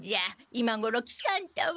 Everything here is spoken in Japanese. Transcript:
今ごろ喜三太は。